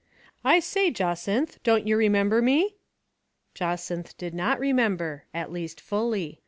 " I say, Jacynth, don't you remember me ?*' Jacynth did not remember, at least fully.